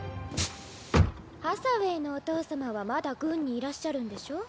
ハサウェイのお父様はまだ軍にいらっしゃるんでしょ？